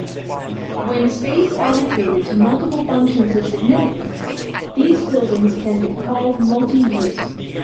When space allocated to multiple functions is significant, these buildings can be called multi-use.